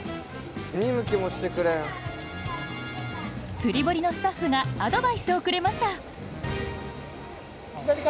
釣堀のスタッフがアドバイスをくれました